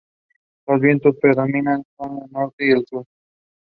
The Vegas Knight Hawks joined the league as an expansions team.